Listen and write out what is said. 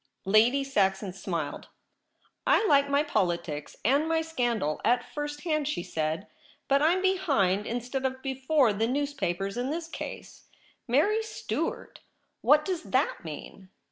' Lady Saxon smiled. ' I like my politics and my scandal at first hand,' she said. * But I'm behind instead of before the newspapers in this case. Mary Stuart ! what does that mean